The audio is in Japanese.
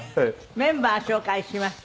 メンバー紹介します。